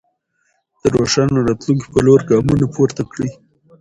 د روښانه راتلونکي په لور ګامونه پورته کړئ.